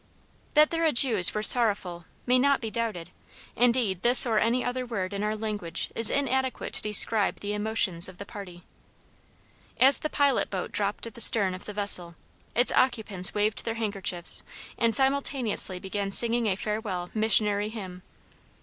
That their adieus were sorrowful may not be doubted, indeed this or any other word in our language is inadequate to describe the emotions of the party. As the pilot boat dropped at the stern of the vessel, its occupants waved their handkerchiefs and simultaneously began singing a farewell "Missionary Hymn."